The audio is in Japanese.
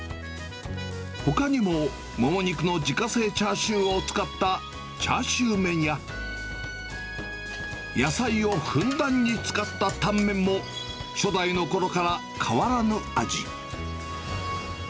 ほかにも、もも肉の自家製チャーシューを使ったチャーシューメンや、野菜をふんだんに使ったタンメンも、初代のころから変わらぬ味。